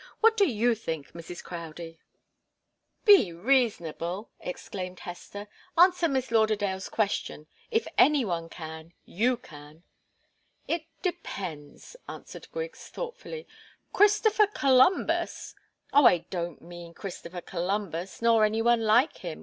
"What do you think, Mrs. Crowdie?" "Be reasonable!" exclaimed Hester. "Answer Miss Lauderdale's question if any one can, you can." "It depends " answered Griggs, thoughtfully. "Christopher Columbus " "Oh, I don't mean Christopher Columbus, nor any one like him!"